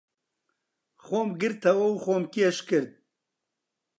خۆم گرتەوە و خۆم کێش کرد.